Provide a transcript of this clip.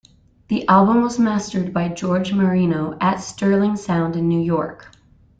The album was mastered by George Marino at Sterling Sound in New York.